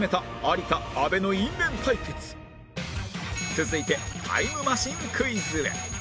続いてタイムマシンクイズへ